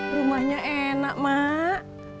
rumahnya enak mak